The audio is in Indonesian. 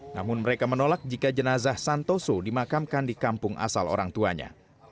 namun mereka menolak jika jenazah santoso dimakamkan di kampung asal orang tuanya